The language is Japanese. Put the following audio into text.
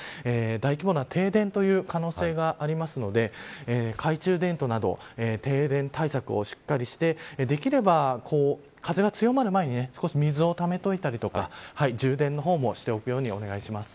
大規模な停電という可能性がありますので懐中電灯など停電対策をしっかりしてできれば、風が強まる前に少し水をためておいたりとか充電の方もしておくようにお願いします。